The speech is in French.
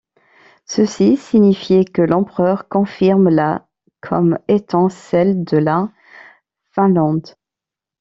Ceci signifiait que l'empereur confirme la comme étant celle de la Finlande.